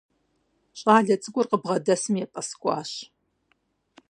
Щӏалэ цӏыкӏур къыбгъэдэсым епӏэскӏуащ.